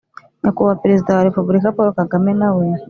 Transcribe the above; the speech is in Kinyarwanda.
nyakubahwa perezida wa repubulika paul kagame na we,